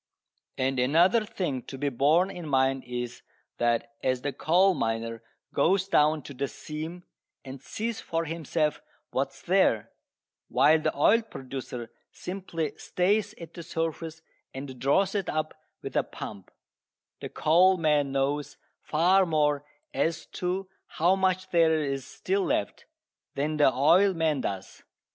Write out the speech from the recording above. And another thing to be borne in mind is that as the coal miner goes down to the seam and sees for himself what is there, while the oil producer simply stays at the surface and draws it up with a pump, the coal man knows far more as to how much there is still left than the oil man does.